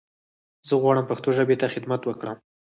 زه غواړم پښتو ژبې ته خدمت وکړم.